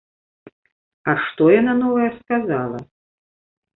А што яна новае сказала?